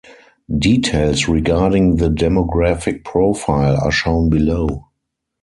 Details regarding the demographic profile are shown below.